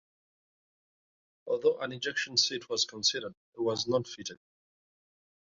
Although an ejection seat was considered, it was not fitted.